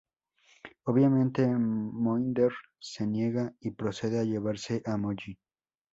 Obviamente Mohinder se niega y procede a llevarse a Molly.